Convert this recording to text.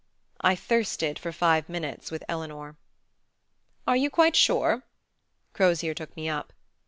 I thirsted for five minutes with Eleanor. "Are you quite sure?" Crozier took me up. "Mr.